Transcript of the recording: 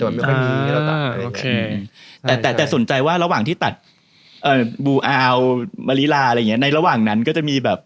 อยากตัดหนังแบบนี้แต่มันไม่ค่อยมีให้เราตัดอะไรอย่างเงี้ย